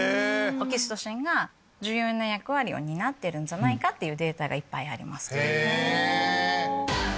オキシトシンが重要な役割を担ってるんじゃないかっていうデータがいっぱいあります。